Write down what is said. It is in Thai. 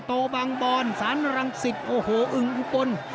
โตบางบอนสานรังสิทธิ์โอ้โหอึงอุ้นต้น